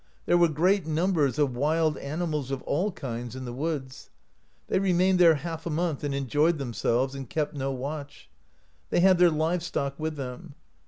There were great numbers of wild animals of all kinds in the woods* They remained there half a month, and enjoyed themselves, and kept no watch. They had their Hve stock with them.